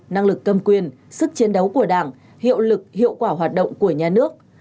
năng lực cầm quyền sức chiến đấu của đảng hiệu lực hiệu quả hoạt động của nhà nước